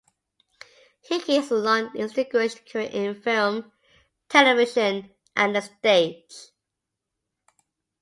Hickey had a long, distinguished career in film, television and the stage.